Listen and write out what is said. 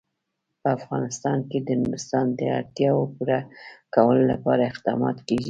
په افغانستان کې د نورستان د اړتیاوو پوره کولو لپاره اقدامات کېږي.